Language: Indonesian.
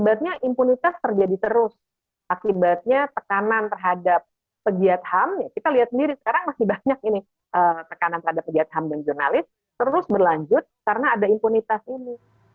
banyak ini tekanan terhadap pejahat ham dan jurnalis terus berlanjut karena ada impunitas ini